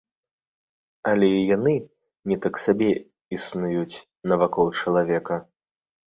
Але і яны не так сабе існуюць навакол чалавека.